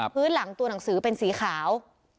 พื้นหลังตัวหนังสือเป็นสีขาว